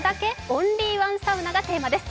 オンリーワンサウナがテーマです。